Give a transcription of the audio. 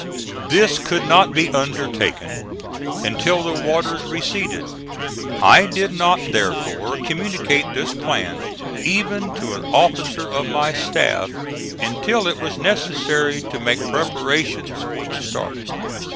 This could not be undertaken until the waters receded. I did not therefore communicate this plan, even to an officer of my staff, until it was necessary to make preparations for the start.